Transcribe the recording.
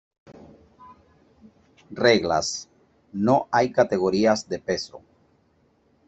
Reglas: No hay categorías de peso.